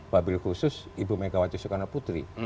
bapak ibu khusus ibu megawati sukarno putri